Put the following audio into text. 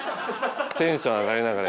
テンションアガりながら。